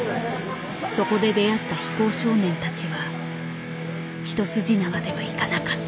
そこで出会った非行少年たちは一筋縄ではいかなかった。